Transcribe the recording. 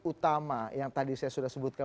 utama yang tadi saya sudah sebutkan